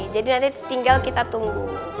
jadi nanti tinggal kita tunggu